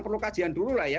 perlu kajian dulu lah ya